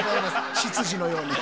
執事のように。